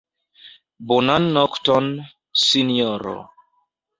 Bonan nokton, sinjoro.